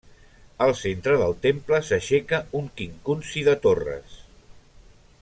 Al centre del temple s'aixeca un quincunci de torres.